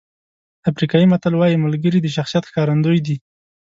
افریقایي متل وایي ملګري د شخصیت ښکارندوی دي.